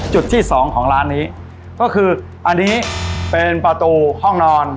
จุดที่สองของร้านนี้ก็คืออันนี้เป็นประตูห้องนอน